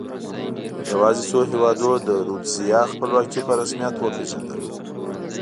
یوازې څو هېوادونو د رودزیا خپلواکي په رسمیت وپېژندله.